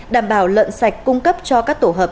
đảm bảo lợn sạch cung cấp cho các tổ hợp